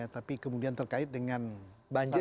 tapi kemudian terkait dengan banjir